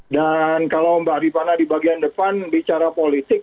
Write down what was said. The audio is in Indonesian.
dan kalau mbak adipana di bagian depan bicara politik